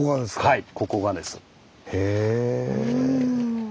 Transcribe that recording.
はい。